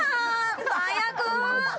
最悪！